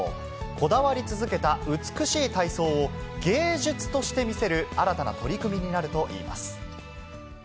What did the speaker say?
こだわり続けた美しい体操を、芸術として見せる新たな取り組みになるといいます。